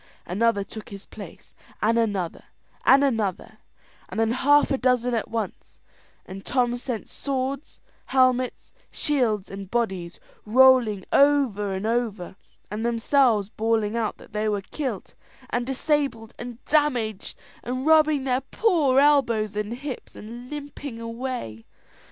Another took his place, and another, and another, and then half a dozen at once, and Tom sent swords, helmets, shields, and bodies, rolling over and over, and themselves bawling out that they were kilt, and disabled, and damaged, and rubbing their poor elbows and hips, and limping away.